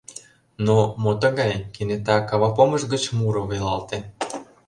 Но, мо тыгай, кенета кавапомыш гыч муро велалте.